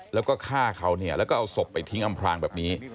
แล้วก็ฆ่าเขาเนี่ยแล้วก็เอาศพไปทิ้งอำพลางแบบนี้